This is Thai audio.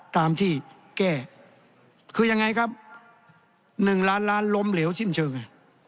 ตามที่แก้คือยังไงครับ๑ล้านล้านล้มเหลวสิ้นเชิง